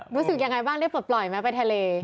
รู้สึกยังไงบ้างได้ปลดปล่อยไหมไปทะเล